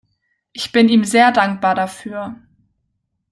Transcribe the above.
Ich bin ihm sehr dankbar dafür.